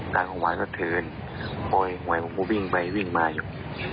ร้านของวัดก็เถินโอ้ยไหวผมก็วิ่งไปวิ่งมาอยู่